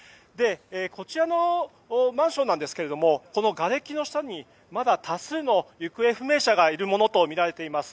こちらのマンションなんですががれきの下にまだ多数の行方不明者がいるものとみられています。